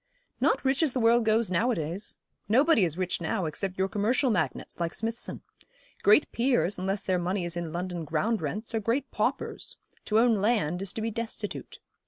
'Not rich as the world goes nowadays. Nobody is rich now, except your commercial magnates, like Smithson. Great peers, unless their money is in London ground rents, are great paupers. To own land is to be destitute.